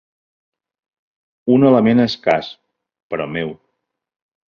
Un element escàs, però meu